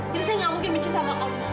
jadi saya gak mungkin benci sama om